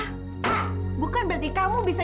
hah bukan berarti kamu bisa